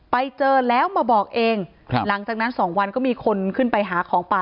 ไปเจอแล้วมาบอกเองครับหลังจากนั้นสองวันก็มีคนขึ้นไปหาของป่า